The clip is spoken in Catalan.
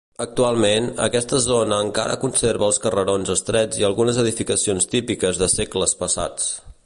Actualment, aquesta zona encara conserva els carrerons estrets i algunes edificacions típiques de segles passats.